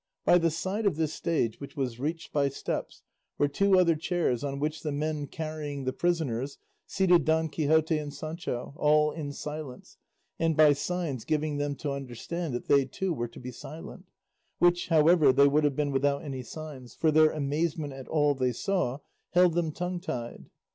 By the side of this stage, which was reached by steps, were two other chairs on which the men carrying the prisoners seated Don Quixote and Sancho, all in silence, and by signs giving them to understand that they too were to be silent; which, however, they would have been without any signs, for their amazement at all they saw held them tongue tied.